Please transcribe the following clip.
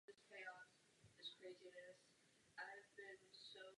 Je nutno jednoznačně konstatovat, že se tím belgické předsednictví inspirovalo.